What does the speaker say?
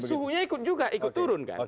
suhunya ikut juga ikut turun kan